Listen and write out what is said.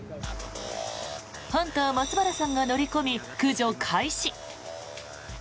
ハンター、松原さんが乗り込み駆除開始。